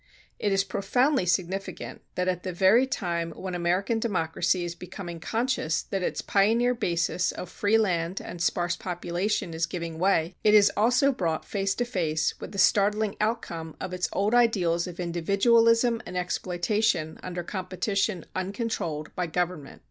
It is profoundly significant that at the very time when American democracy is becoming conscious that its pioneer basis of free land and sparse population is giving way, it is also brought face to face with the startling outcome of its old ideals of individualism and exploitation under competition uncontrolled by government.